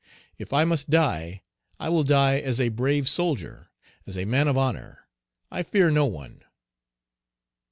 If I must die, I will die as a brave soldier, as a man of honor. I fear no one."